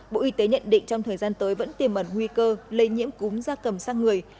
bộ y tế nhận định trong thời gian tới vẫn tiềm ẩn nguy cơ lây nhiễm cúm da cầm sang người